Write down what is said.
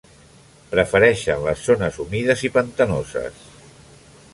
Prefereixen les zones humides i pantanoses.